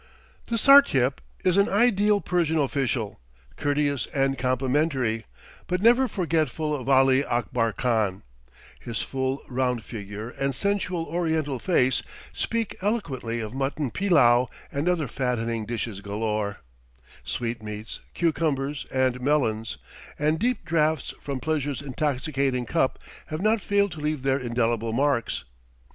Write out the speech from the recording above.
The Sartiep is an ideal Persian official, courteous and complimentary, but never forgetful of Ali Akbar Khan; his full, round figure and sensual Oriental face speak eloquently of mutton pillau and other fattening dishes galore, sweetmeats, cucumbers, and melons; and deep draughts from pleasure's intoxicating cup have not failed to leave their indelible marks.